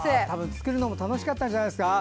作るのも楽しかったんじゃないですか。